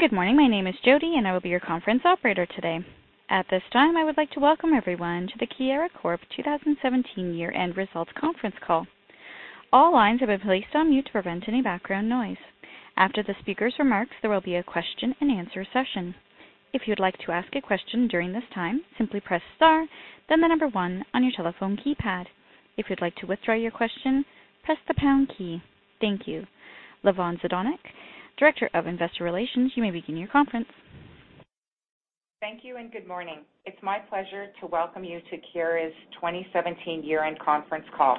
Good morning. My name is Jody, and I will be your conference operator today. At this time, I would like to welcome everyone to the Keyera Corp 2017 Year-End Results Conference Call. All lines have been placed on mute to prevent any background noise. After the speaker's remarks, there will be a question and answer session. If you'd like to ask a question during this time, simply press star, then the number one on your telephone keypad. If you'd like to withdraw your question, press the pound key. Thank you. Lavonne Zdunich, Director of Investor Relations, you may begin your conference. Thank you, and good morning. It's my pleasure to welcome you to Keyera's 2017 year-end conference call.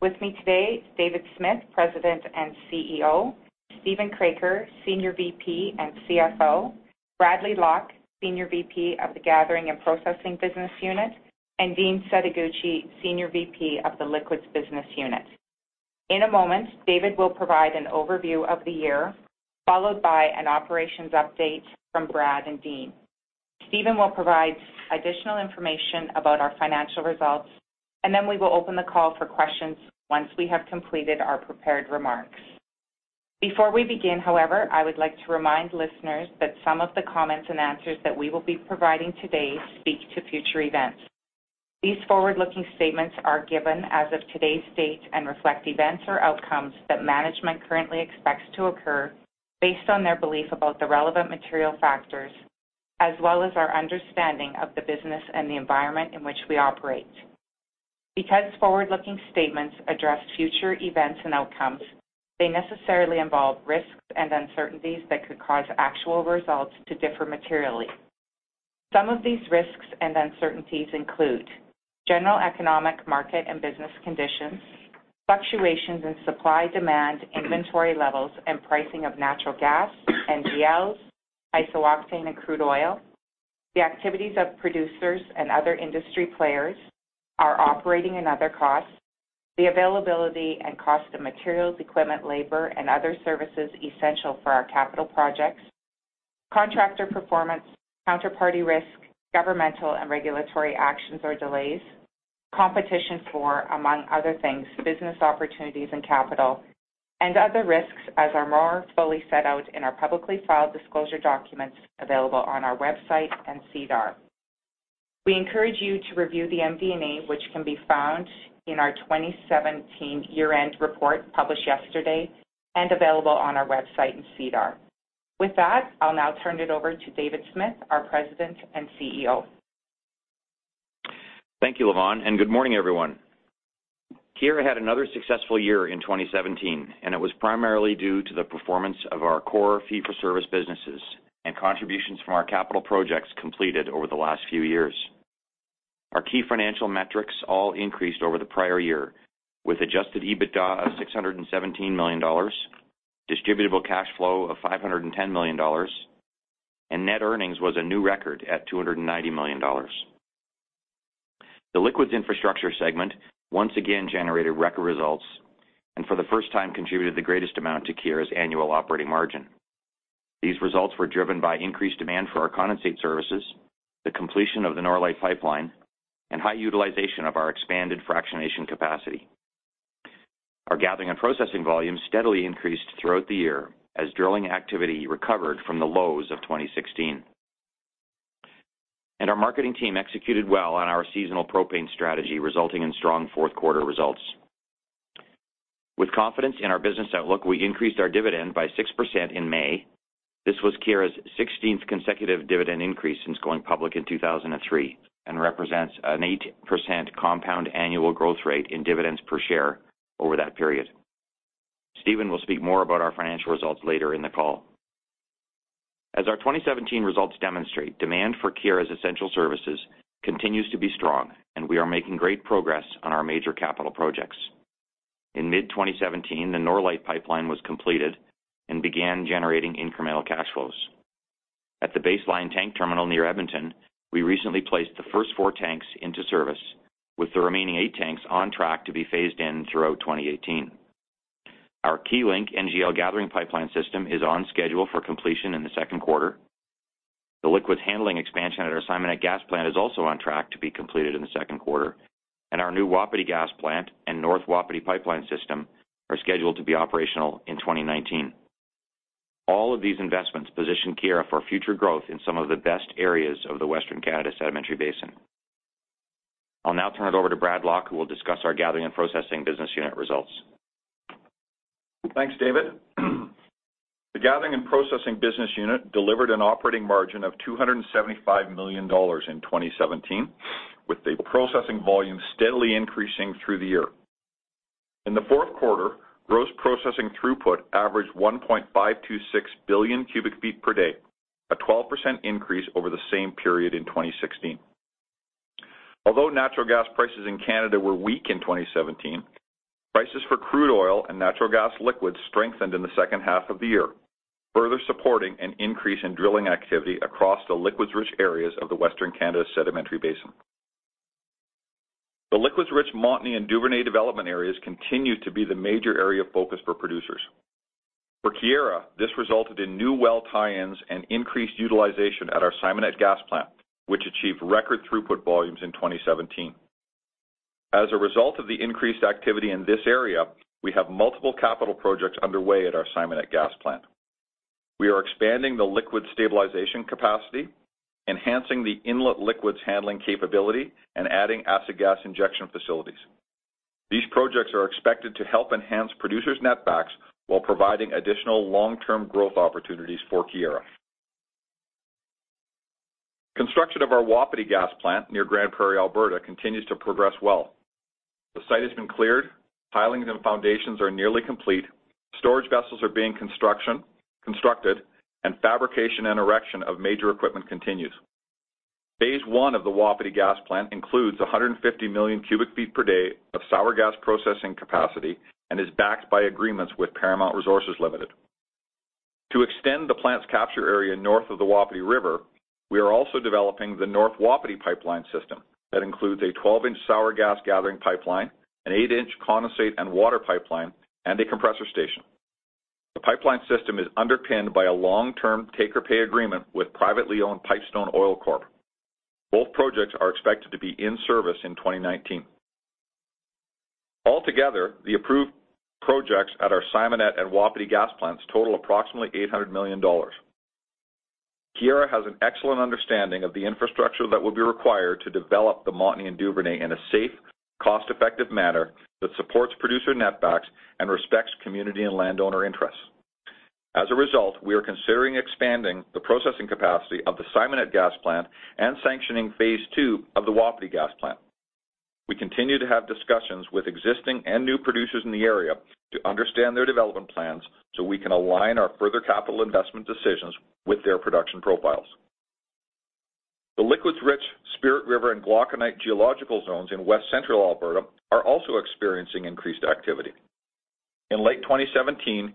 With me today, David Smith, President and CEO, Steven Kroeker, Senior VP and CFO, Bradley Lock, Senior VP of the Gathering and Processing business unit, and Dean Setoguchi, Senior VP of the Liquids business unit. In a moment, David will provide an overview of the year, followed by an operations update from Brad and Dean. Steven will provide additional information about our financial results, and then we will open the call for questions once we have completed our prepared remarks. Before we begin, however, I would like to remind listeners that some of the comments and answers that we will be providing today speak to future events. These forward-looking statements are given as of today's date and reflect events or outcomes that management currently expects to occur based on their belief about the relevant material factors, as well as our understanding of the business and the environment in which we operate. Because forward-looking statements address future events and outcomes, they necessarily involve risks and uncertainties that could cause actual results to differ materially. Some of these risks and uncertainties include general economic market and business conditions, fluctuations in supply, demand, inventory levels, and pricing of natural gas, NGLs, isooctane, and crude oil, the activities of producers and other industry players, our operating and other costs, the availability and cost of materials, equipment, labor, and other services essential for our capital projects, contractor performance, counterparty risk, governmental and regulatory actions or delays, competition for, among other things, business opportunities and capital, and other risks as are more fully set out in our publicly filed disclosure documents available on our website and SEDAR. We encourage you to review the MD&A, which can be found in our 2017 year-end report published yesterday and available on our website and SEDAR. With that, I'll now turn it over to David Smith, our President and CEO. Thank you, Lavonne, and good morning, everyone. Keyera had another successful year in 2017, and it was primarily due to the performance of our core fee-for-service businesses and contributions from our capital projects completed over the last few years. Our key financial metrics all increased over the prior year with adjusted EBITDA of 617 million dollars, distributable cash flow of 510 million dollars, and net earnings was a new record at 290 million dollars. The Liquids Infrastructure segment once again generated record results and for the first time contributed the greatest amount to Keyera's annual operating margin. These results were driven by increased demand for our condensate services, the completion of the Norlite Pipeline, and high utilization of our expanded fractionation capacity. Our Gathering and Processing volumes steadily increased throughout the year as drilling activity recovered from the lows of 2016. Our marketing team executed well on our seasonal propane strategy, resulting in strong Q4 results. With confidence in our business outlook, we increased our dividend by 6% in May. This was Keyera's 16th consecutive dividend increase since going public in 2003 and represents an 8% compound annual growth rate in dividends per share over that period. Steven will speak more about our financial results later in the call. As our 2017 results demonstrate, demand for Keyera's essential services continues to be strong, and we are making great progress on our major capital projects. In mid-2017, the Norlite pipeline was completed and began generating incremental cash flows. At the Baseline tank terminal near Edmonton, we recently placed the first four tanks into service, with the remaining eight tanks on track to be phased in throughout 2018. Our Keylink NGL gathering pipeline system is on schedule for completion in the Q2. The liquids handling expansion at our Simonette gas plant is also on track to be completed in the Q2, and our new Wapiti gas plant and North Wapiti pipeline system are scheduled to be operational in 2019. All of these investments position Keyera for future growth in some of the best areas of the Western Canada Sedimentary Basin. I'll now turn it over to Bradley Lock, who will discuss our Gathering and Processing business unit results. Thanks, David. The Gathering and Processing business unit delivered an operating margin of 275 million dollars in 2017, with the processing volume steadily increasing through the year. In the Q4, gross processing throughput averaged 1.526 billion cubic feet per day, a 12% increase over the same period in 2016. Although natural gas prices in Canada were weak in 2017, prices for crude oil and natural gas liquids strengthened in the second half of the year, further supporting an increase in drilling activity across the liquids-rich areas of the Western Canada Sedimentary Basin. The liquids-rich Montney and Duvernay development areas continued to be the major area of focus for producers. For Keyera, this resulted in new well tie-ins and increased utilization at our Simonette Gas Plant, which achieved record throughput volumes in 2017. As a result of the increased activity in this area, we have multiple capital projects underway at our Simonette Gas Plant. We are expanding the liquid stabilization capacity, enhancing the inlet liquids handling capability, and adding acid gas injection facilities. These projects are expected to help enhance producers' netbacks while providing additional long-term growth opportunities for Keyera. Construction of our Wapiti gas plant near Grande Prairie, Alberta continues to progress well. The site has been cleared, pilings and foundations are nearly complete, storage vessels are being constructed, and fabrication and erection of major equipment continues. Phase one of the Wapiti gas plant includes 150 million cubic feet per day of sour gas processing capacity and is backed by agreements with Paramount Resources Ltd. To extend the plant's capture area north of the Wapiti River, we are also developing the North Wapiti pipeline system that includes a 12-inch sour gas gathering pipeline, an 8-inch condensate and water pipeline, and a compressor station. The pipeline system is underpinned by a long-term take-or-pay agreement with privately owned Pipestone Oil Corp. Both projects are expected to be in service in 2019. Altogether, the approved projects at our Simonette and Wapiti Gas Plants total approximately 800 million dollars. Keyera has an excellent understanding of the infrastructure that will be required to develop the Montney and Duvernay in a safe, cost-effective manner that supports producer netbacks and respects community and landowner interests. As a result, we are considering expanding the processing capacity of the Simonette Gas Plant and sanctioning phase two of the Wapiti Gas Plant. We continue to have discussions with existing and new producers in the area to understand their development plans so we can align our further capital investment decisions with their production profiles. The liquids-rich Spirit River and Glauconite geological zones in West Central Alberta are also experiencing increased activity. In late 2017,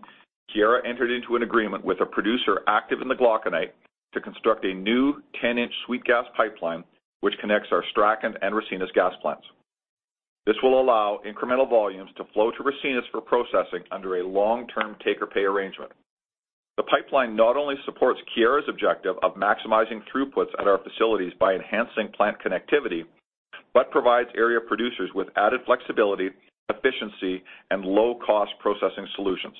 Keyera entered into an agreement with a producer active in the Glauconite to construct a new 10-inch sweet gas pipeline, which connects our Strachan and Ricinus Gas Plants. This will allow incremental volumes to flow to Ricinus for processing under a long-term take-or-pay arrangement. The pipeline not only supports Keyera's objective of maximizing throughputs at our facilities by enhancing plant connectivity, but provides area producers with added flexibility, efficiency, and low-cost processing solutions.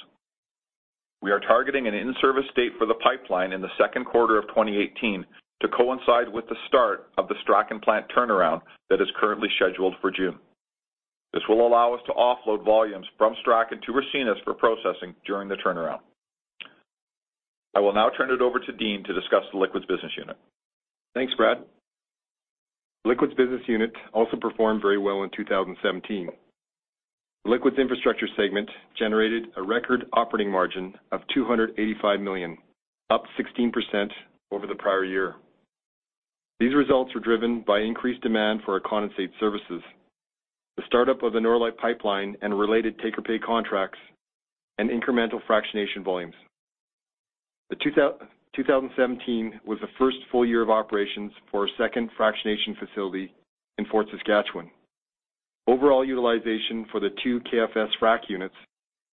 We are targeting an in-service date for the pipeline in the Q2 of 2018 to coincide with the start of the Strachan Plant turnaround that is currently scheduled for June. This will allow us to offload volumes from Strachan to Ricinus for processing during the turnaround. I will now turn it over to Dean to discuss the Liquids Business Unit. Thanks, Brad. Liquids Infrastructure Business Unit also performed very well in 2017. Liquids Infrastructure segment generated a record operating margin of 285 million, up 16% over the prior year. These results were driven by increased demand for our condensate services, the startup of the Norlite Pipeline and related take-or-pay contracts, and incremental fractionation volumes. 2017 was the first full year of operations for our second fractionation facility in Fort Saskatchewan. Overall utilization for the two KFS frac units,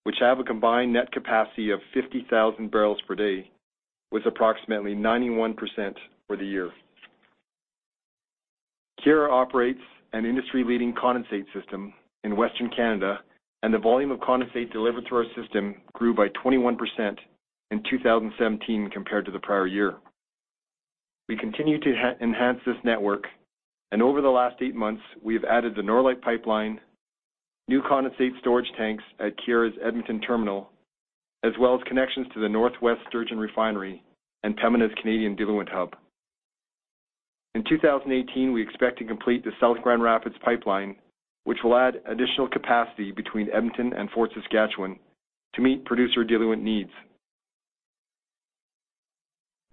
which have a combined net capacity of 50,000 barrels per day, was approximately 91% for the year. Keyera operates an industry-leading condensate system in Western Canada, and the volume of condensate delivered to our system grew by 21% in 2017 compared to the prior year. We continue to enhance this network, and over the last eight months, we have added the Norlite Pipeline, new condensate storage tanks at Keyera's Edmonton Terminal, as well as connections to the North West Redwater Sturgeon Refinery and Pembina's Canadian Diluent Hub. In 2018, we expect to complete the South Grand Rapids Pipeline, which will add additional capacity between Edmonton and Fort Saskatchewan to meet producer diluent needs.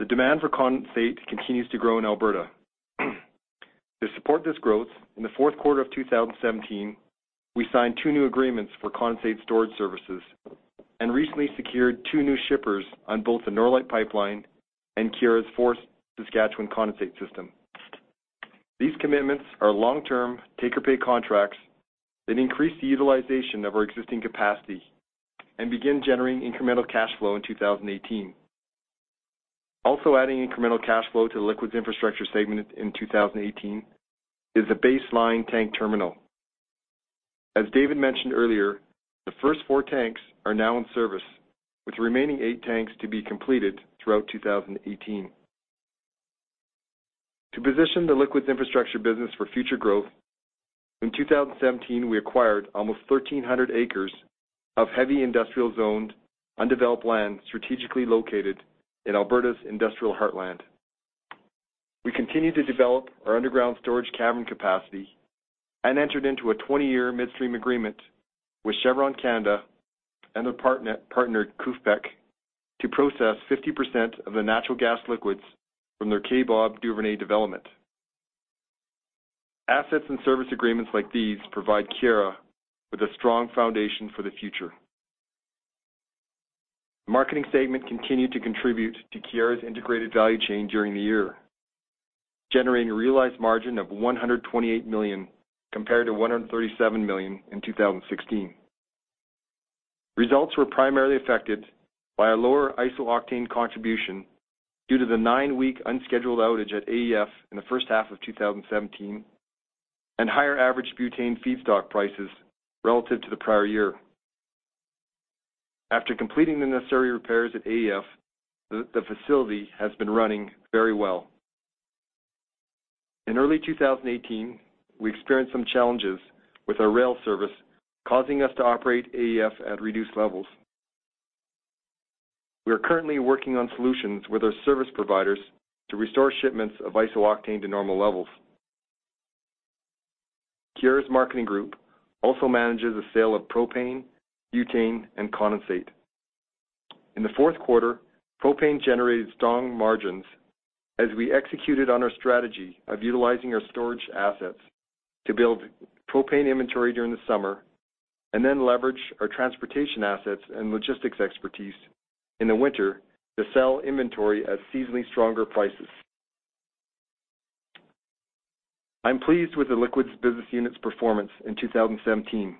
The demand for condensate continues to grow in Alberta. To support this growth, in the Q4 of 2017, we signed two new agreements for condensate storage services and recently secured two new shippers on both the Norlite Pipeline and Keyera's Fort Saskatchewan condensate system. These commitments are long-term take-or-pay contracts that increase the utilization of our existing capacity and begin generating incremental cash flow in 2018. Also adding incremental cash flow to the Liquids Infrastructure segment in 2018 is the Baseline tank terminal. As David mentioned earlier, the first four tanks are now in service, with the remaining eight tanks to be completed throughout 2018. To position the Liquids Infrastructure business for future growth, in 2017, we acquired almost 1,300 acres of heavy industrial zoned, undeveloped land strategically located in Alberta's industrial heartland. We continued to develop our underground storage cavern capacity and entered into a 20-year midstream agreement with Chevron Canada and their partner, KUFPEC, to process 50% of the natural gas liquids from their Kaybob Duvernay development. Assets and service agreements like these provide Keyera with a strong foundation for the future. Marketing segment continued to contribute to Keyera's integrated value chain during the year, generating a realized margin of 128 million compared to 137 million in 2016. Results were primarily affected by a lower isooctane contribution due to the nine-week unscheduled outage at AEF in the first half of 2017 and higher average butane feedstock prices relative to the prior year. After completing the necessary repairs at AEF, the facility has been running very well. In early 2018, we experienced some challenges with our rail service, causing us to operate AEF at reduced levels. We are currently working on solutions with our service providers to restore shipments of isooctane to normal levels. Keyera's Marketing group also manages the sale of propane, butane, and condensate. In the Q4, propane generated strong margins as we executed on our strategy of utilizing our storage assets to build propane inventory during the summer and then leveraged our transportation assets and logistics expertise in the winter to sell inventory at seasonally stronger prices. I'm pleased with the liquids business unit's performance in 2017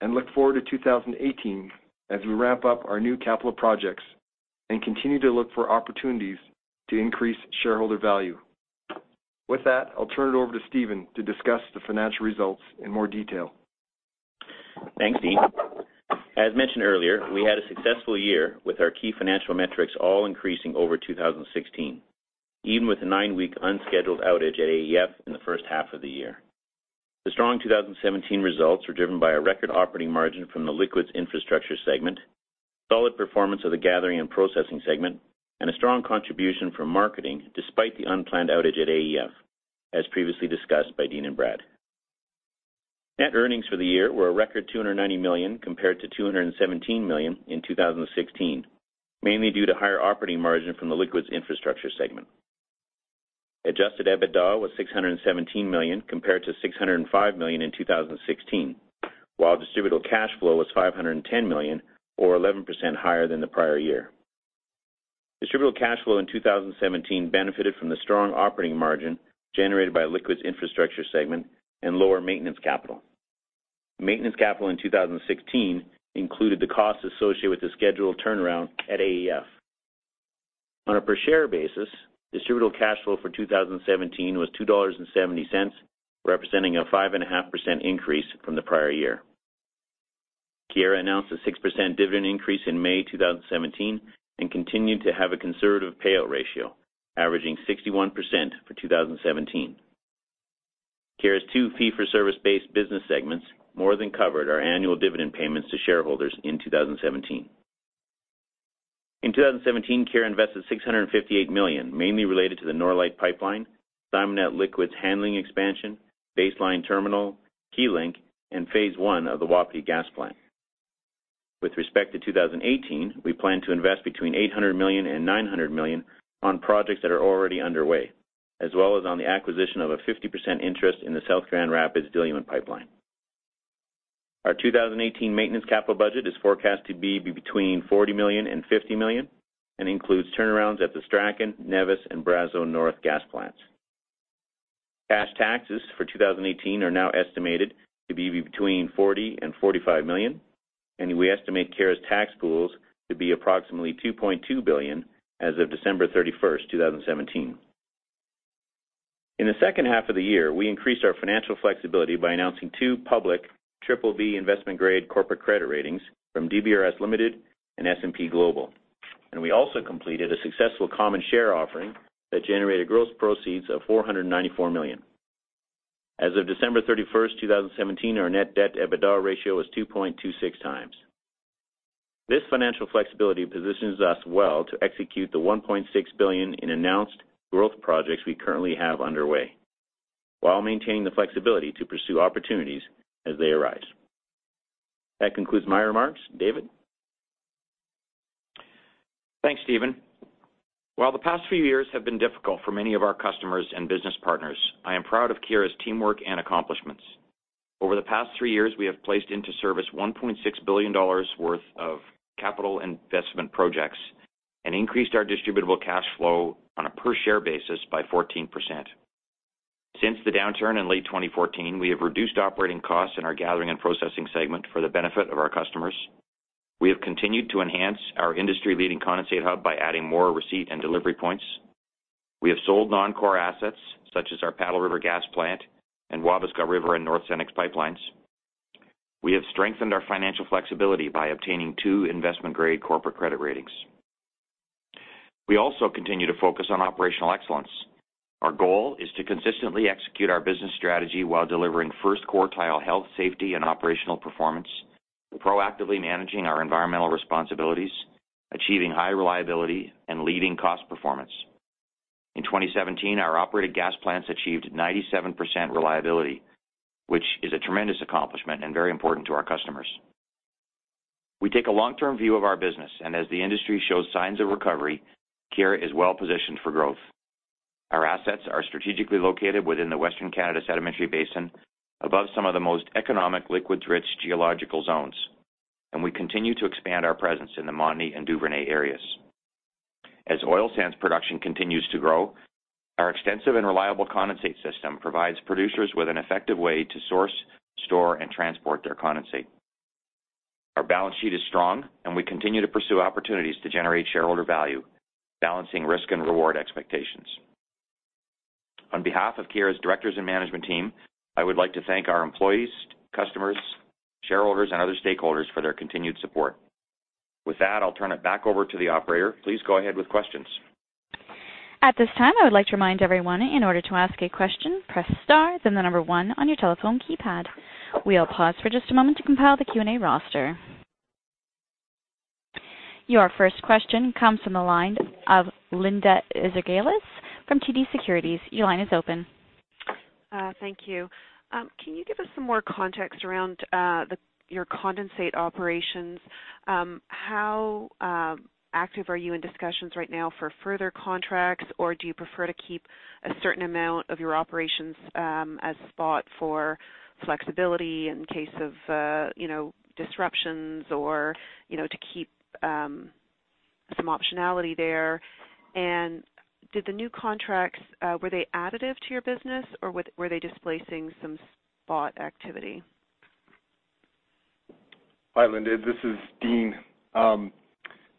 and look forward to 2018 as we ramp up our new capital projects and continue to look for opportunities to increase shareholder value. With that, I'll turn it over to Steven to discuss the financial results in more detail. Thanks, Dean. As mentioned earlier, we had a successful year with our key financial metrics all increasing over 2016, even with the nine-week unscheduled outage at AEF in the first half of the year. The strong 2017 results were driven by a record operating margin from the Liquids Infrastructure segment, solid performance of the Gathering and Processing segment, and a strong contribution from marketing despite the unplanned outage at AEF, as previously discussed by Dean and Brad. Net earnings for the year were a record 290 million compared to 217 million in 2016, mainly due to higher operating margin from the Liquids Infrastructure segment. Adjusted EBITDA was 617 million compared to 605 million in 2016, while distributable cash flow was 510 million or 11% higher than the prior year. Distributable cash flow in 2017 benefited from the strong operating margin generated by Liquids Infrastructure segment and lower maintenance capital. Maintenance capital in 2016 included the costs associated with the scheduled turnaround at AEF. On a per-share basis, distributable cash flow for 2017 was 2.70 dollars, representing a 5.5% increase from the prior year. Keyera announced a 6% dividend increase in May 2017 and continued to have a conservative payout ratio, averaging 61% for 2017. Keyera's two fee-for-service-based business segments more than covered our annual dividend payments to shareholders in 2017. In 2017, Keyera invested 658 million, mainly related to the Norlite Pipeline, Simonette NGLs handling expansion, Baseline Terminal, Keylink, and phase one of the Wapiti Gas Plant. With respect to 2018, we plan to invest between 800 million and 900 million on projects that are already underway, as well as on the acquisition of a 50% interest in the South Grand Rapids Pipeline. Our 2018 maintenance capital budget is forecast to be between 40 million-50 million and includes turnarounds at the Strachan, Nevis, and Brazeau North Gas Plants. Cash taxes for 2018 are now estimated to be between 40 million-45 million, and we estimate Keyera's tax pools to be approximately 2.2 billion as of December 31st, 2017. In the second half of the year, we increased our financial flexibility by announcing two public BBB investment-grade corporate credit ratings from DBRS Limited and S&P Global. We also completed a successful common share offering that generated gross proceeds of 494 million. As of December 31st, 2017, our net debt to EBITDA ratio was 2.26 times. This financial flexibility positions us well to execute the 1.6 billion in announced growth projects we currently have underway while maintaining the flexibility to pursue opportunities as they arise. That concludes my remarks. David? Thanks, Steven. While the past few years have been difficult for many of our customers and business partners, I am proud of Keyera's teamwork and accomplishments. Over the past three years, we have placed into service 1.6 billion dollars worth of capital investment projects and increased our distributable cash flow on a per-share basis by 14%. Since the downturn in late 2014, we have reduced operating costs in our Gathering and Processing segment for the benefit of our customers. We have continued to enhance our industry-leading condensate hub by adding more receipt and delivery points. We have sold non-core assets such as our Paddle River Gas Plant and Wabasca River and North Cenex Pipelines. We have strengthened our financial flexibility by obtaining two investment-grade corporate credit ratings. We also continue to focus on operational excellence. Our goal is to consistently execute our business strategy while delivering first quartile health, safety, and operational performance, proactively managing our environmental responsibilities, achieving high reliability, and leading cost performance. In 2017, our operated gas plants achieved 97% reliability, which is a tremendous accomplishment and very important to our customers. We take a long-term view of our business, and as the industry shows signs of recovery, Keyera is well-positioned for growth. Our assets are strategically located within the Western Canada Sedimentary Basin above some of the most economic liquids-rich geological zones, and we continue to expand our presence in the Montney and Duvernay areas. As oil sands production continues to grow, our extensive and reliable condensate system provides producers with an effective way to source, store, and transport their condensate. Our balance sheet is strong, and we continue to pursue opportunities to generate shareholder value, balancing risk and reward expectations. On behalf of Keyera's directors and management team, I would like to thank our employees, customers, shareholders, and other stakeholders for their continued support. With that, I'll turn it back over to the operator. Please go ahead with questions. At this time, I would like to remind everyone, in order to ask a question, press star, then the number one on your telephone keypad. We'll pause for just a moment to compile the Q&A roster. Your first question comes from the line of Linda Ezergailis from TD Securities. Your line is open. Thank you. Can you give us some more context around your condensate operations? How active are you in discussions right now for further contracts? Do you prefer to keep a certain amount of your operations as spot for flexibility in case of disruptions or to keep some optionality there? Did the new contracts, were they additive to your business, or were they displacing some spot activity? Hi, Linda. This is Dean.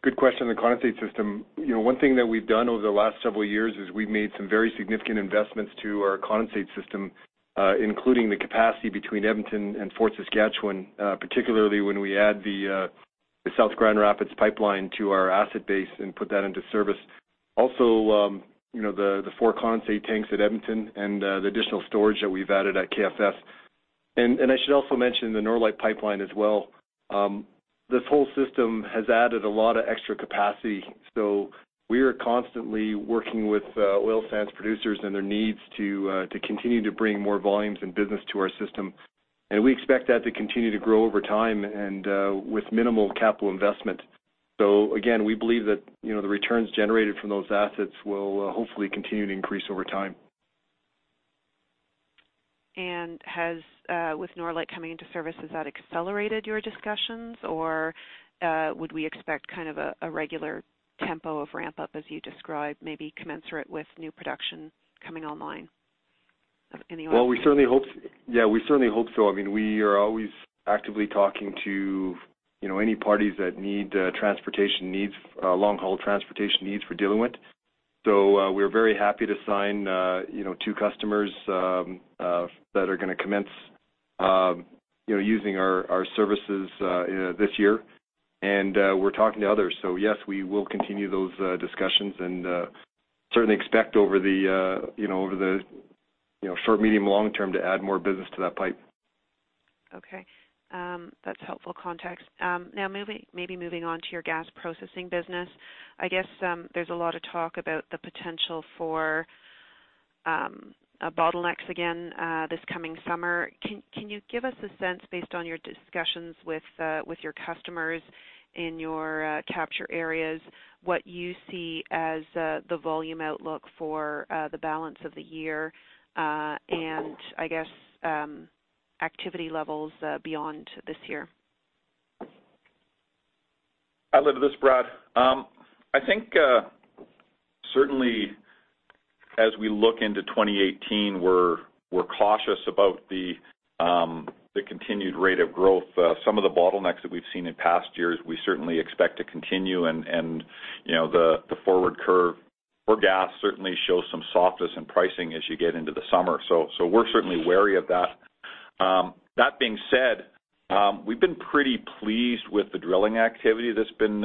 Good question on the condensate system. One thing that we've done over the last several years is we've made some very significant investments to our condensate system, including the capacity between Edmonton and Fort Saskatchewan, particularly when we add the South Grand Rapids Pipeline to our asset base and put that into service. Also, the four condensate tanks at Edmonton and the additional storage that we've added at KFS. I should also mention the Norlite Pipeline as well. This whole system has added a lot of extra capacity. We are constantly working with oil sands producers and their needs to continue to bring more volumes and business to our system. We expect that to continue to grow over time and with minimal capital investment. Again, we believe that the returns generated from those assets will hopefully continue to increase over time. With Norlite coming into service, has that accelerated your discussions, or would we expect kind of a regular tempo of ramp-up as you describe, maybe commensurate with new production coming online? Yeah, we certainly hope so. We are always actively talking to any parties that need long-haul transportation needs for diluent. We're very happy to sign two customers that are going to commence using our services this year, and we're talking to others. Yes, we will continue those discussions and certainly expect over the short, medium, long-term to add more business to that pipe. Okay. That's helpful context. Now, maybe moving on to your gas processing business. I guess there's a lot of talk about the potential for bottlenecks again this coming summer. Can you give us a sense, based on your discussions with your customers in your capture areas, what you see as the volume outlook for the balance of the year and, I guess, activity levels beyond this year? Hi, Linda. This is Brad. I think, certainly as we look into 2018, we're cautious about the continued rate of growth. Some of the bottlenecks that we've seen in past years, we certainly expect to continue, and the forward curve for gas certainly shows some softness in pricing as you get into the summer. We're certainly wary of that. That being said, we've been pretty pleased with the drilling activity that's been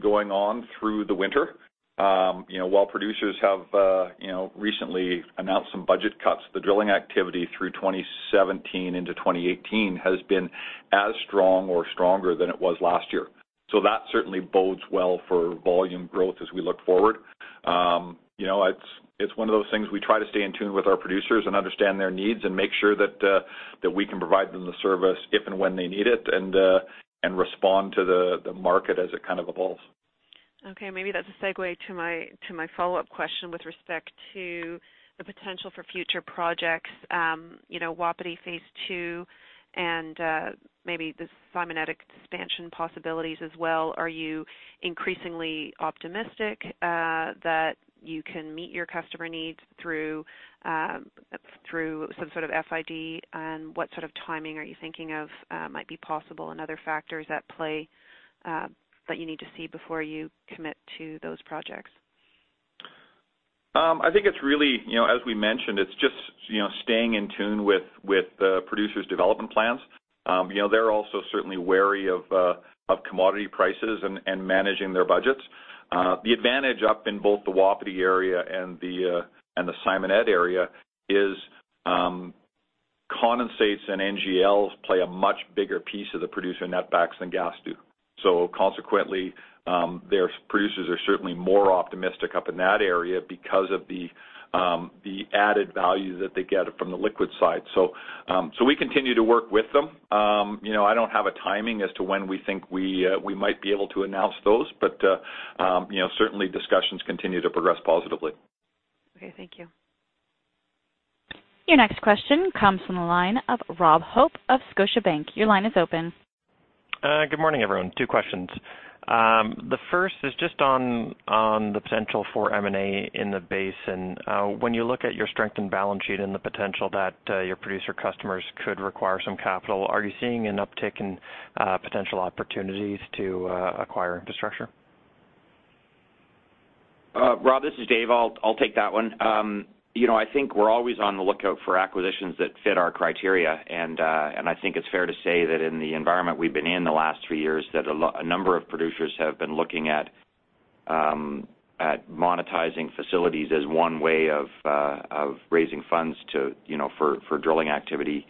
going on through the winter. While producers have recently announced some budget cuts, the drilling activity through 2017 into 2018 has been as strong or stronger than it was last year. That certainly bodes well for volume growth as we look forward. It's one of those things we try to stay in tune with our producers and understand their needs and make sure that we can provide them the service if and when they need it and respond to the market as it kind of evolves. Okay, maybe that's a segue to my follow-up question with respect to the potential for future projects, Wapiti phase two and maybe the Simonette expansion possibilities as well. Are you increasingly optimistic that you can meet your customer needs through some sort of FID? And what sort of timing are you thinking of might be possible and other factors at play that you need to see before you commit to those projects? I think as we mentioned, it's just staying in tune with producers' development plans. They're also certainly wary of commodity prices and managing their budgets. The advantage up in both the Wapiti area and the Simonette area is condensates and NGLs play a much bigger piece of the producer net backs than gas do. Consequently, their producers are certainly more optimistic up in that area because of the added value that they get from the liquid side. We continue to work with them. I don't have a timing as to when we think we might be able to announce those, but certainly discussions continue to progress positively. Okay. Thank you. Your next question comes from the line of Robert Hope of Scotiabank. Your line is open. Good morning, everyone. Two questions. The first is just on the potential for M&A in the basin. When you look at your strong balance sheet and the potential that your producer customers could require some capital, are you seeing an uptick in potential opportunities to acquire infrastructure? Rob, this is Dave. I'll take that one. I think we're always on the lookout for acquisitions that fit our criteria. I think it's fair to say that in the environment we've been in the last three years, that a number of producers have been looking at monetizing facilities as one way of raising funds for drilling activity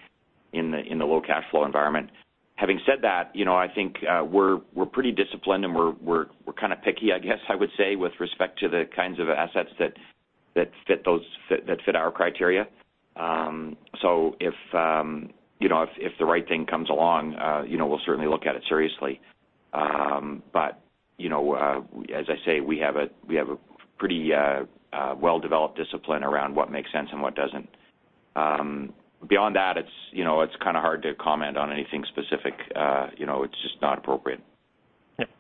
in the low cash flow environment. Having said that, I think we're pretty disciplined and we're kind of picky, I guess I would say, with respect to the kinds of assets that fit our criteria. If the right thing comes along we'll certainly look at it seriously. As I say, we have a pretty well-developed discipline around what makes sense and what doesn't. Beyond that, it's hard to comment on anything specific. It's just not appropriate.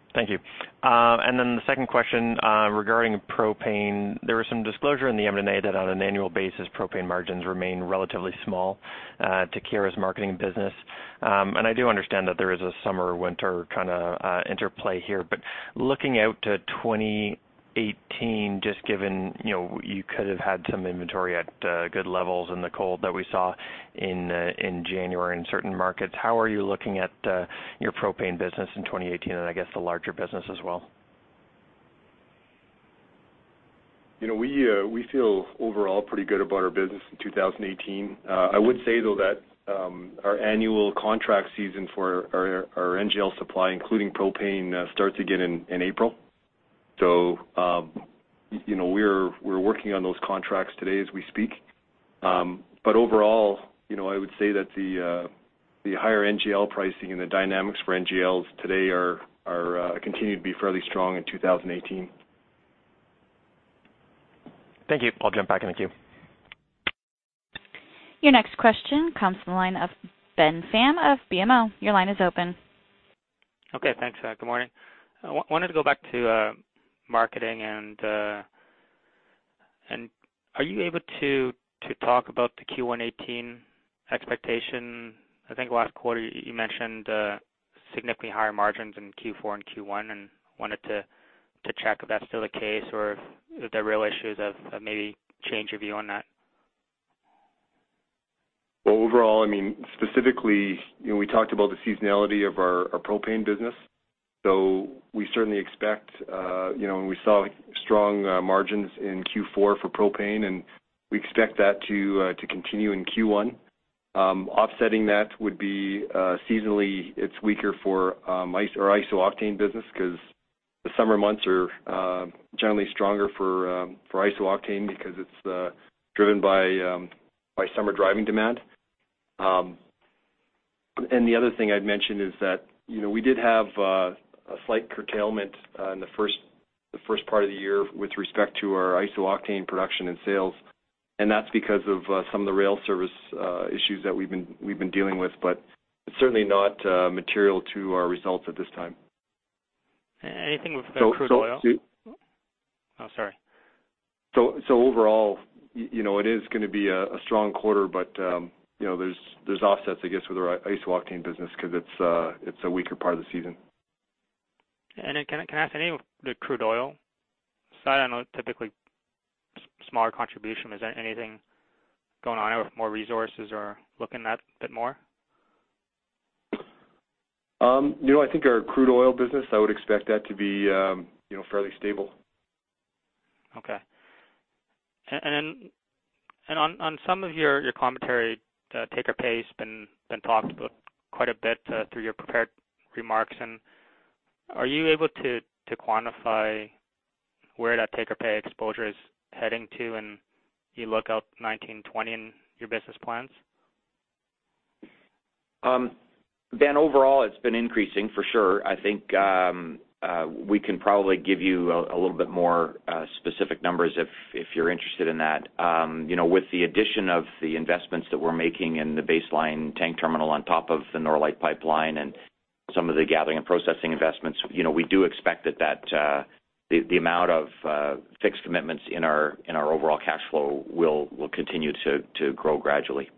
Yep. Thank you. Then the second question regarding propane. There was some disclosure in the MD&A that on an annual basis, propane margins remain relatively small to Keyera's Marketing business. I do understand that there is a summer/winter kind of interplay here. Looking out to 2018, just given you could have had some inventory at good levels in the cold that we saw in January in certain markets, how are you looking at your propane business in 2018 and I guess the larger business as well? We feel overall pretty good about our business in 2018. I would say though, that our annual contract season for our NGL supply, including propane, starts again in April. We're working on those contracts today as we speak. Overall, I would say that the higher NGL pricing and the dynamics for NGLs today continue to be fairly strong in 2018. Thank you. I'll jump back in the queue. Your next question comes from the line of Ben Pham of BMO. Your line is open. Okay. Thanks. Good morning. I wanted to go back to Marketing, and are you able to talk about the Q1 2018 expectation? I think last quarter you mentioned significantly higher margins in Q4 and Q1, and wanted to check if that's still the case or if there are real issues of maybe change of view on that. Well, overall, specifically, we talked about the seasonality of our propane business. We certainly expect, and we saw strong margins in Q4 for propane, and we expect that to continue in Q1. Offsetting that would be seasonally it's weaker for our isooctane business because the summer months are generally stronger for isooctane because it's driven by summer driving demand. The other thing I'd mention is that we did have a slight curtailment in the first part of the year with respect to our isooctane production and sales. That's because of some of the rail service issues that we've been dealing with, but it's certainly not material to our results at this time. Anything with the crude oil? Oh, sorry. Overall, it is going to be a strong quarter, but there's offsets, I guess, with our isooctane business because it's a weaker part of the season. Can I ask anything with the crude oil side? I know typically smaller contribution. Is there anything going on with more resources or looking at that a bit more? I think our crude oil business, I would expect that to be fairly stable. Okay. On some of your commentary, take-or-pay has been talked about quite a bit through your prepared remarks, and are you able to quantify where that take-or-pay exposure is heading to and you look out 2019, 2020 in your business plans? Ben, overall, it's been increasing for sure. I think we can probably give you a little bit more specific numbers if you're interested in that. With the addition of the investments that we're making in the baseline tank terminal on top of the Norlite Pipeline and some of the Gathering and Processing investments, we do expect that the amount of fixed commitments in our overall cash flow will continue to grow gradually.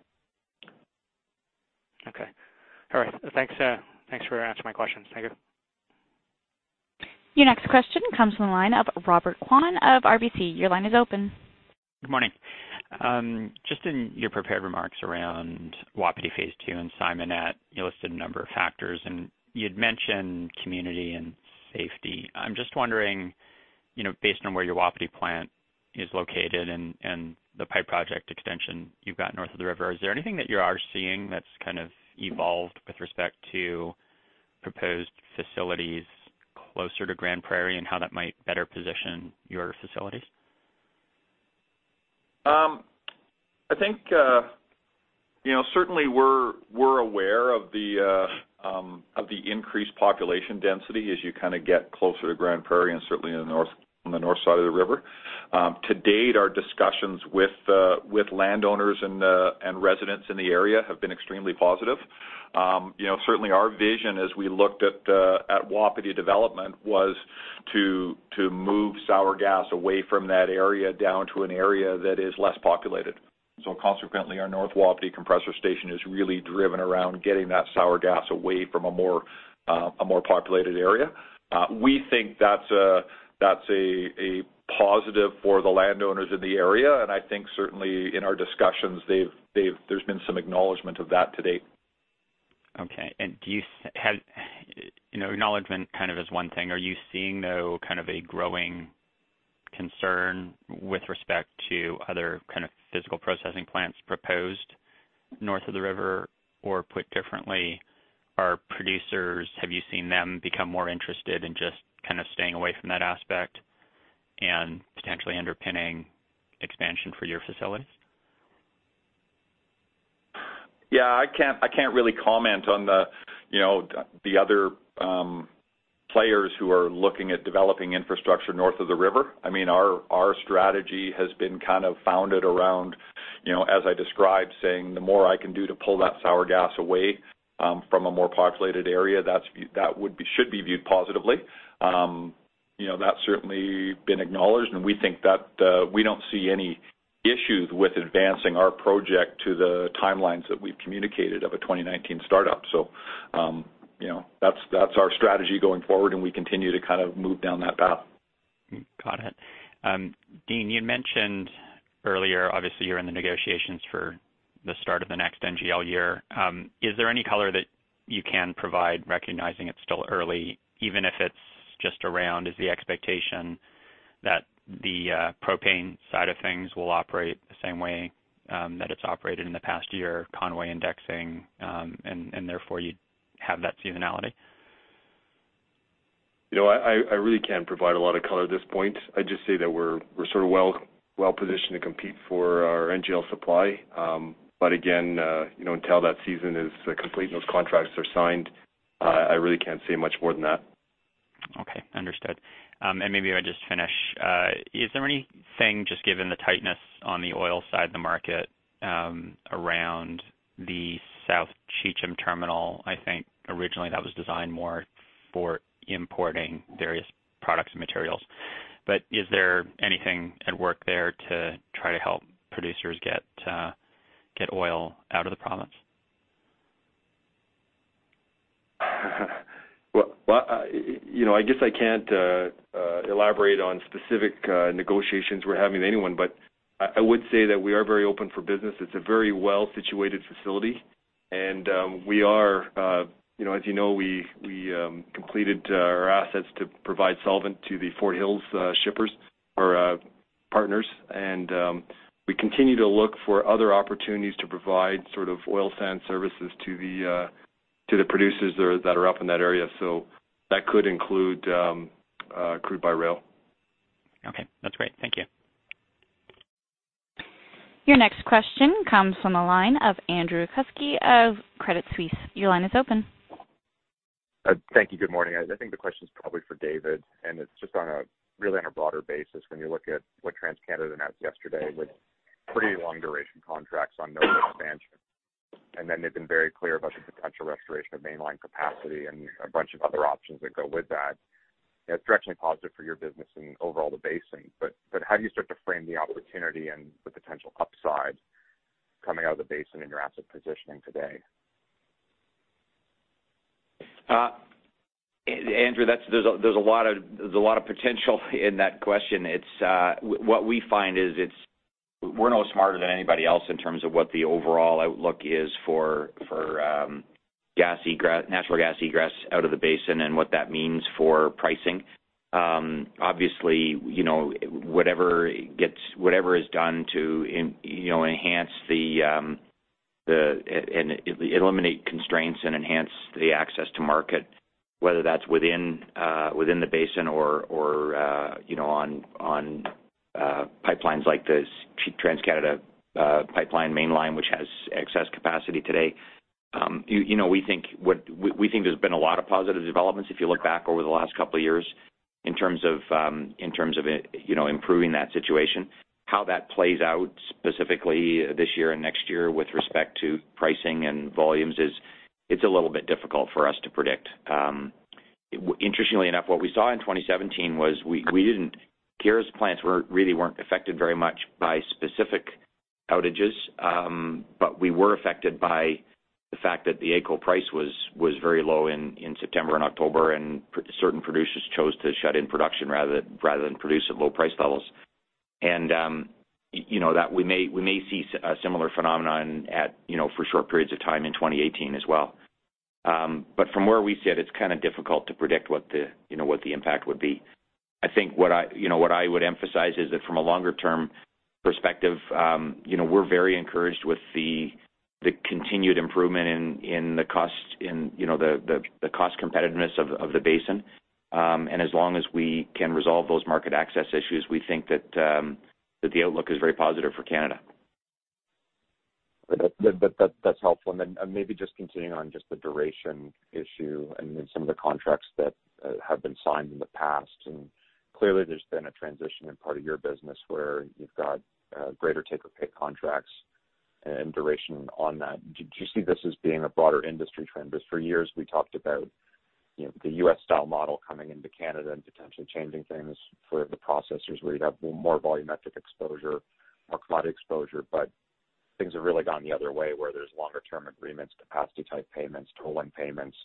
Okay. All right. Thanks for answering my questions. Thank you. Your next question comes from the line of Robert Kwan of RBC. Your line is open. Good morning. Just in your prepared remarks around Wapiti phase two and Simonette, you listed a number of factors, and you'd mentioned community and safety. I'm just wondering, based on where your Wapiti Plant is located and the pipe project extension you've got north of the river, is there anything that you are seeing that's kind of evolved with respect to proposed facilities closer to Grande Prairie and how that might better position your facilities? I think. Certainly, we're aware of the increased population density as you get closer to Grande Prairie and certainly on the north side of the river. To date, our discussions with landowners and residents in the area have been extremely positive. Certainly our vision as we looked at Wapiti development was to move sour gas away from that area down to an area that is less populated. Consequently, our North Wapiti compressor station is really driven around getting that sour gas away from a more populated area. We think that's a positive for the landowners in the area, and I think certainly in our discussions, there's been some acknowledgment of that to date. Okay. Acknowledgment kind of is one thing. Are you seeing, though, a growing concern with respect to other kind of physical processing plants proposed north of the river? Or put differently, are producers, have you seen them become more interested in just staying away from that aspect and potentially underpinning expansion for your facilities? Yeah, I can't really comment on the other players who are looking at developing infrastructure north of the river. Our strategy has been kind of founded around, as I described, saying, the more I can do to pull that sour gas away from a more populated area, that should be viewed positively. That certainly been acknowledged, and we think that we don't see any issues with advancing our project to the timelines that we've communicated of a 2019 startup. That's our strategy going forward, and we continue to move down that path. Got it. Dean, you had mentioned earlier, obviously, you're in the negotiations for the start of the next NGL year. Is there any color that you can provide, recognizing it's still early, even if it's just around, is the expectation that the propane side of things will operate the same way that it's operated in the past year, Conway indexing, and therefore you have that seasonality? I really can't provide a lot of color at this point. I'd just say that we're sort of well positioned to compete for our NGL supply. Again, until that season is complete and those contracts are signed, I really can't say much more than that. Okay. Understood. Maybe I'll just finish. Is there anything, just given the tightness on the oil side of the market, around the South Cheecham Terminal? I think originally that was designed more for importing various products and materials. Is there anything at work there to try to help producers get oil out of the province? Well, I guess I can't elaborate on specific negotiations we're having with anyone, but I would say that we are very open for business. It's a very well-situated facility, and as you know, we completed our assets to provide solvent to the Fort Hills shippers or partners, and we continue to look for other opportunities to provide sort of oil sand services to the producers that are up in that area. That could include crude by rail. Okay. That's great. Thank you. Your next question comes from the line of Andrew Kuske of Credit Suisse. Your line is open. Thank you. Good morning. I think the question's probably for David, and it's just really on a broader basis, when you look at what TransCanada announced yesterday with pretty long-duration contracts on no new expansion. They've been very clear about the potential restoration of mainline capacity and a bunch of other options that go with that. It's directionally positive for your business and overall the basin. How do you start to frame the opportunity and the potential upside coming out of the basin in your asset positioning today? Andrew, there's a lot of potential in that question. What we find is we're no smarter than anybody else in terms of what the overall outlook is for natural gas egress out of the basin and what that means for pricing. Obviously, whatever is done to eliminate constraints and enhance the access to market, whether that's within the basin or on pipelines like the TransCanada Pipeline mainline, which has excess capacity today. We think there's been a lot of positive developments, if you look back over the last couple of years in terms of improving that situation. How that plays out specifically this year and next year with respect to pricing and volumes is, it's a little bit difficult for us to predict. Interestingly enough, what we saw in 2017 was Keyera's plants really weren't affected very much by specific outages. We were affected by the fact that the AECO price was very low in September and October, and certain producers chose to shut in production rather than produce at low price levels. We may see a similar phenomenon for short periods of time in 2018 as well. From where we sit, it's kind of difficult to predict what the impact would be. I think what I would emphasize is that from a longer-term perspective, we're very encouraged with the continued improvement in the cost competitiveness of the basin. As long as we can resolve those market access issues, we think that the outlook is very positive for Canada. That's helpful. Then maybe just continuing on just the duration issue and then some of the contracts that have been signed in the past. Clearly, there's been a transition in part of your business where you've got a greater take-or-pay contracts and duration on that. Do you see this as being a broader industry trend? Because for years we talked about the U.S. style model coming into Canada and potentially changing things for the processors where you'd have more volumetric exposure, more commodity exposure, but things have really gone the other way, where there's longer term agreements, capacity type payments, tolling payments.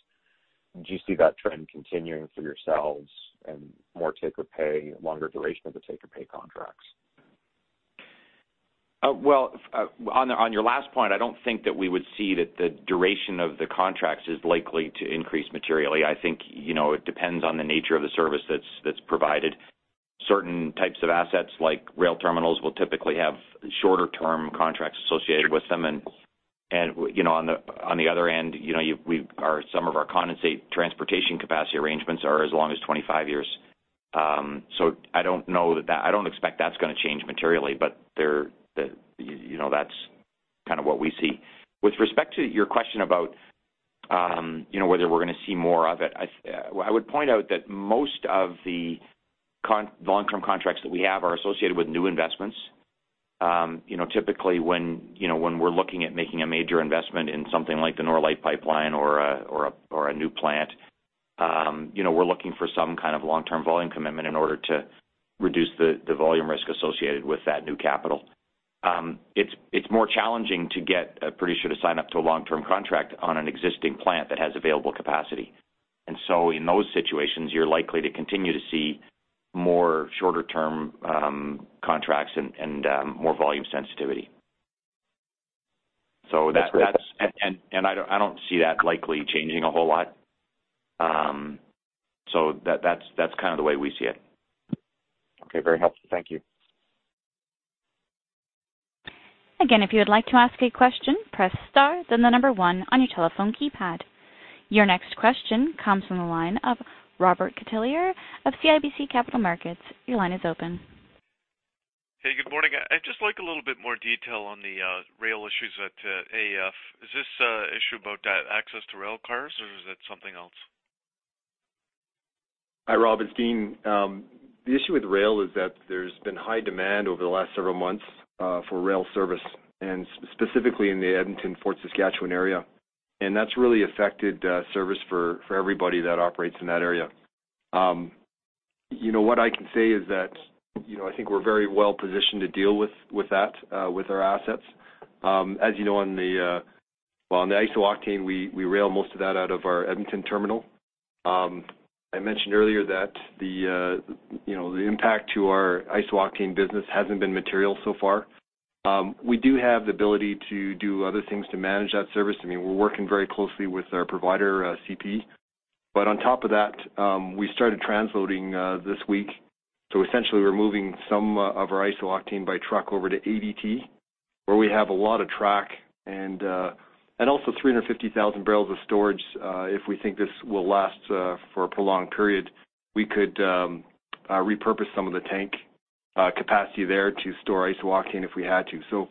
Do you see that trend continuing for yourselves and more take-or-pay, longer duration of the take-or-pay contracts? Well, on your last point, I don't think that we would see that the duration of the contracts is likely to increase materially. I think, it depends on the nature of the service that's provided. Certain types of assets, like rail terminals, will typically have shorter-term contracts associated with them. On the other end, some of our condensate transportation capacity arrangements are as long as 25 years. I don't expect that's going to change materially, but that's what we see. With respect to your question about whether we're going to see more of it, I would point out that most of the long-term contracts that we have are associated with new investments. Typically, when we're looking at making a major investment in something like the Norlite Pipeline or a new plant, we're looking for some kind of long-term volume commitment in order to reduce the volume risk associated with that new capital. It's more challenging to get a producer to sign up to a long-term contract on an existing plant that has available capacity. In those situations, you're likely to continue to see more shorter-term contracts and more volume sensitivity. I don't see that likely changing a whole lot. That's the way we see it. Okay. Very helpful. Thank you. Again, if you would like to ask a question, press star, then the number one on your telephone keypad. Your next question comes from the line of Robert Catellier of CIBC Capital Markets. Your line is open. Hey, good morning. I'd just like a little bit more detail on the rail issues at AEF. Is this issue about access to rail cars or is it something else? Hi, Rob, it's Dean. The issue with rail is that there's been high demand over the last several months for rail service, and specifically in the Edmonton, Fort Saskatchewan area. That's really affected service for everybody that operates in that area. What I can say is that, I think we're very well-positioned to deal with that with our assets. As you know, on the isooctane, we rail most of that out of our Edmonton terminal. I mentioned earlier that the impact to our isooctane business hasn't been material so far. We do have the ability to do other things to manage that service. We're working very closely with our provider, CP. On top of that, we started transloading this week. Essentially, we're moving some of our isooctane by truck over to EDT, where we have a lot of tank and also 350,000 barrels of storage if we think this will last for a prolonged period. We could repurpose some of the tank capacity there to store isooctane if we had to.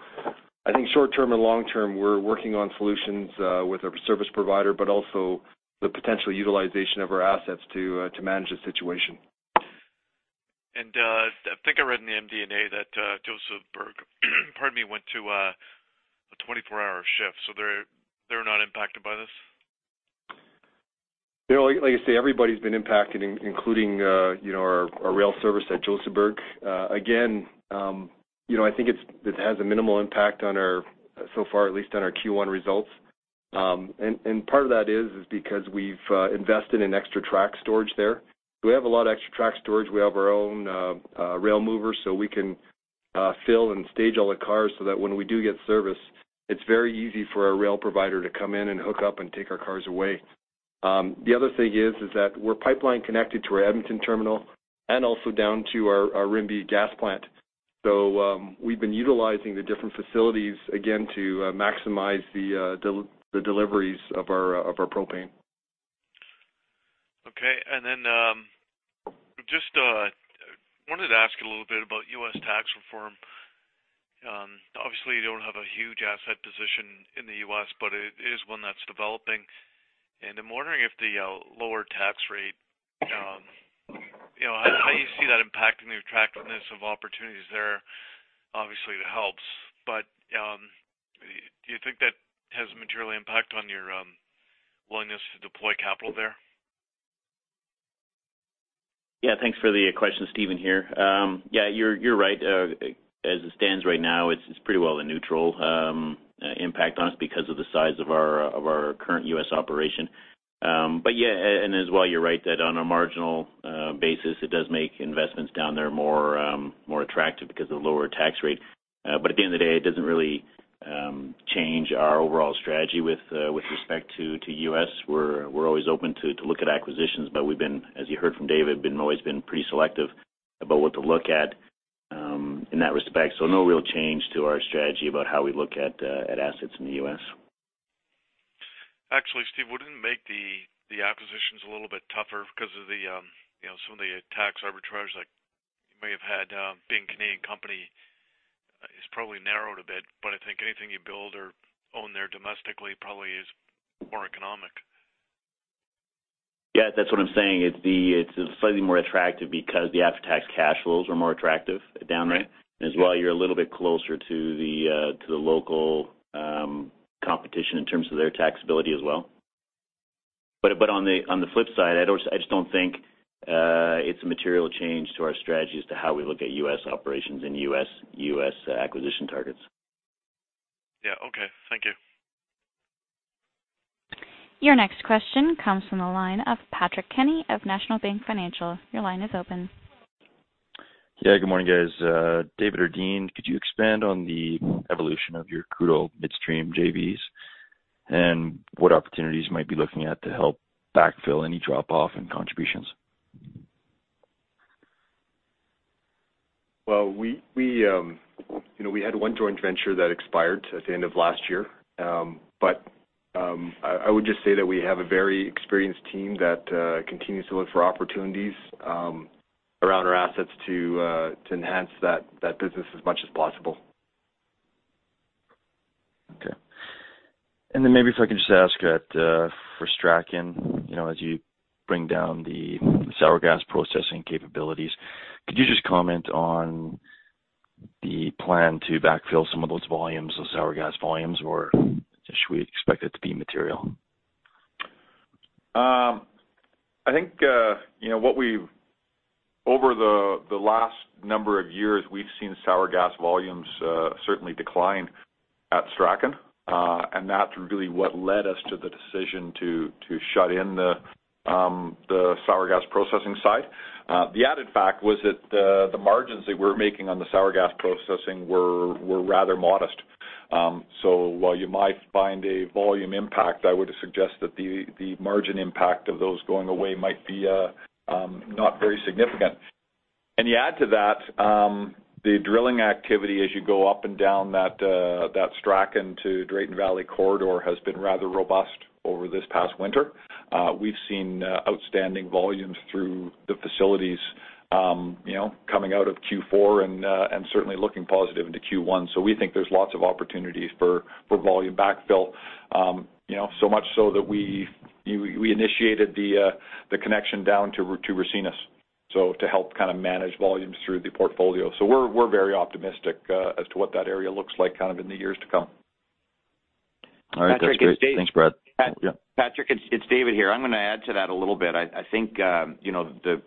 I think short-term and long-term, we're working on solutions with our service provider, but also the potential utilization of our assets to manage the situation. I think I read in the MD&A that Josephburg went to a 24-hour shift, so they're not impacted by this? Like I say, everybody's been impacted, including our rail service at Josephburg. Again, I think it has a minimal impact so far, at least on our Q1 results. Part of that is because we've invested in extra track storage there. We have a lot of extra track storage. We have our own rail movers, so we can fill and stage all the cars so that when we do get service, it's very easy for our rail provider to come in and hook up and take our cars away. The other thing is that we're pipeline connected to our Edmonton Terminal and also down to our Rimbey Gas Plant. We've been utilizing the different facilities again to maximize the deliveries of our propane. Okay. Just wanted to ask a little bit about U.S. tax reform. Obviously, you don't have a huge asset position in the U.S., but it is one that's developing. I'm wondering if the lower tax rate, how you see that impacting the attractiveness of opportunities there. Obviously, it helps. Do you think that has a material impact on your willingness to deploy capital there? Yeah. Thanks for the question. Steven here. Yeah, you're right. As it stands right now, it's pretty well a neutral impact on us because of the size of our current U.S. operation. Yeah, and as well, you're right that on a marginal basis, it does make investments down there more attractive because of the lower tax rate. At the end of the day, it doesn't really change our overall strategy with respect to U.S. We're always open to look at acquisitions. We've been, as you heard from David, always been pretty selective about what to look at in that respect. No real change to our strategy about how we look at assets in the U.S. Actually, Steve, wouldn't it make the acquisitions a little bit tougher because some of the tax arbitrage that you may have had, being a Canadian company, is probably narrowed a bit, but I think anything you build or own there domestically probably is more economic. Yeah, that's what I'm saying. It's slightly more attractive because the after-tax cash flows are more attractive down there. Right. As well, you're a little bit closer to the local competition in terms of their taxability as well. On the flip side, I just don't think it's a material change to our strategy as to how we look at U.S. operations and U.S. acquisition targets. Yeah. Okay. Thank you. Your next question comes from the line of Patrick Kenny of National Bank Financial. Your line is open. Yeah. Good morning, guys. David or Dean, could you expand on the evolution of your crude oil midstream JVs and what opportunities you might be looking at to help backfill any drop-off in contributions? Well, we had one joint venture that expired at the end of last year. I would just say that we have a very experienced team that continues to look for opportunities around our assets to enhance that business as much as possible. Okay. Maybe if I could just ask for Strachan. As you bring down the sour gas processing capabilities, could you just comment on the plan to backfill some of those volumes, those sour gas volumes, or should we expect it to be material? I think, over the last number of years, we've seen sour gas volumes certainly decline at Strachan. That's really what led us to the decision to shut in the sour gas processing side. The added fact was that the margins that we were making on the sour gas processing were rather modest. While you might find a volume impact, I would suggest that the margin impact of those going away might be not very significant. You add to that, the drilling activity as you go up and down that Strachan to Drayton Valley corridor has been rather robust over this past winter. We've seen outstanding volumes through the facilities coming out of Q4 and certainly looking positive into Q1. We think there's lots of opportunities for volume backfill. So much so that we initiated the connection down to Ricinus to help manage volumes through the portfolio. We're very optimistic as to what that area looks like in the years to come. All right. That's great. Thanks, Brad. Patrick, it's David here. I'm going to add to that a little bit. I think the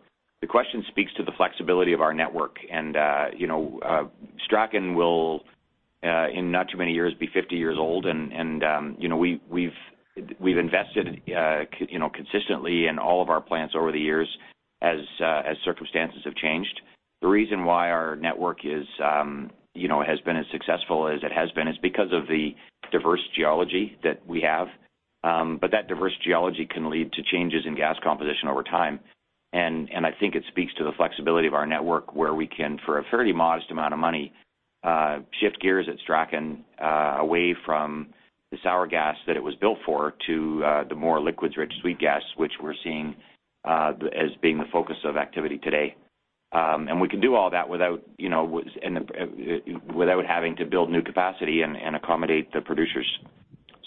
question speaks to the flexibility of our network. Strachan will, in not too many years, be 50 years old. We've invested consistently in all of our plants over the years as circumstances have changed. The reason why our network has been as successful as it has been is because of the diverse geology that we have. That diverse geology can lead to changes in gas composition over time. I think it speaks to the flexibility of our network, where we can, for a fairly modest amount of money, shift gears at Strachan away from the sour gas that it was built for to the more liquids-rich sweet gas, which we're seeing as being the focus of activity today. We can do all that without having to build new capacity and accommodate the producers.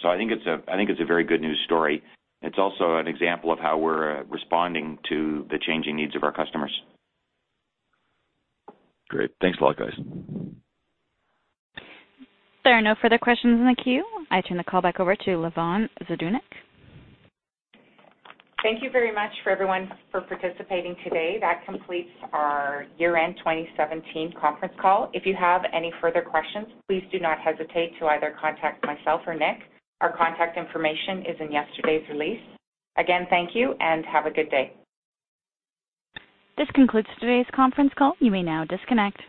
I think it's a very good news story. It's also an example of how we're responding to the changing needs of our customers. Great. Thanks a lot, guys. There are no further questions in the queue. I turn the call back over to Lavonne Zdunich. Thank you very much for everyone for participating today. That completes our year-end 2017 conference call. If you have any further questions, please do not hesitate to either contact myself or Nick. Our contact information is in yesterday's release. Again, thank you, and have a good day. This concludes today's conference call. You may now disconnect.